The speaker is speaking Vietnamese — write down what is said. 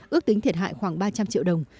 ước tính thiệt hại khoảng ba trăm linh triệu đồng